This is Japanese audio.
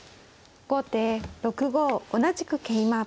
後手６五同じく桂馬。